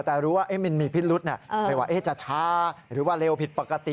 แต่รู้ว่ามีพิรุธจะช้าหรือว่าเลวผิดปกติ